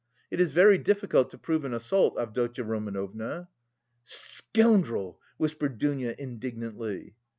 It is very difficult to prove an assault, Avdotya Romanovna." "Scoundrel!" whispered Dounia indignantly.